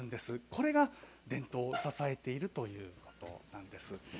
これが伝統を支えているということなんです。